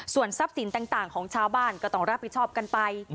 ส่วนทรัพย์สินต่างของชาวบ้านก็ต้องรับผิดชอบกันไป